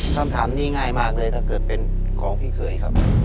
คำถามนี้ง่ายมากเลยถ้าเกิดเป็นของพี่เคยครับ